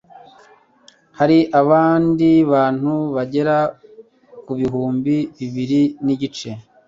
Hari abandi bantu bagera kubihumbi bibiri n'igice